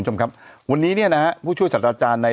วันนี้นะครับผู้ช่วยสรรทาจารย์ใน